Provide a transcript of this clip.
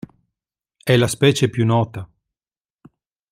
È la specie più nota.